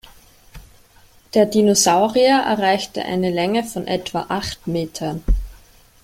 Der Dinosaurier erreichte eine Länge von etwa acht Metern.